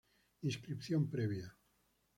Inscripción previa.